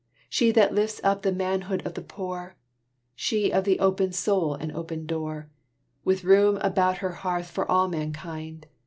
She that lifts up the manhood of the poor, She of the open soul and open door, With room about her hearth for all mankind!